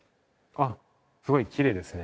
あっすごいきれいですね。